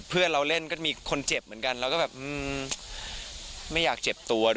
ก็เพราะว่าเราได้เข้าฉากด้วยกันตลอด